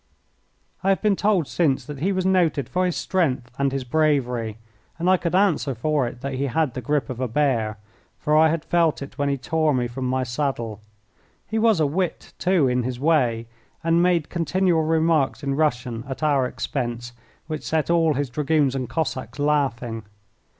I have been told since that he was noted for his strength and his bravery, and I could answer for it that he had the grip of a bear, for I had felt it when he tore me from my saddle. He was a wit, too, in his way, and made continual remarks in Russian at our expense which set all his Dragoons and Cossacks laughing.